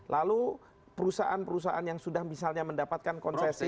lalu perusahaan perusahaan yang sudah misalnya mendapatkan konsesi